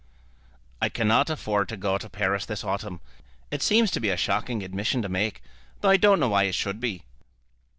"I cannot afford to go to Paris this autumn. It seems to be a shocking admission to make, though I don't know why it should be."